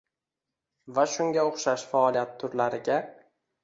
va shunga o‘xshash faoliyat turlariga